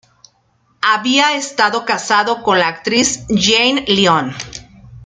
Había estado casado con la actriz Jeanne Lion.